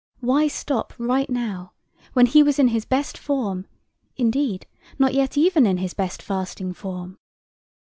Why stop right now, when he was in his best form, indeed, not yet even in his best fasting form?